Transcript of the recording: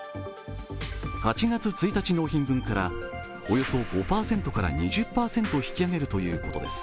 ８月１日納品分からおよそ５％から２０％引き上げるということです。